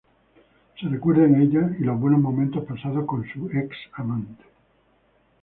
Se recuerda en ella y los buenos momentos pasados con su ex amante.